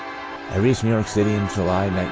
" I reached New York City in July, 1904.